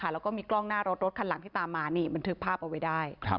แล้วก็มีกล้องหน้ารถรถคันหลังที่ตามมานี่บันทึกภาพเอาไว้ได้